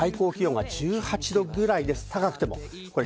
最高気温が１８度ぐらいです、高くても。